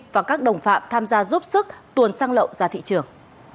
và các đồng phạm tham gia giúp sức tuồn xăng lậu ra thị trường